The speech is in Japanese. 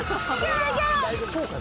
そうか。